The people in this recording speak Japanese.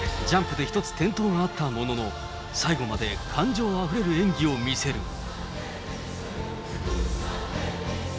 ジャンプで１つ転倒があったものの、最後まで感情あふれる演技を見せる。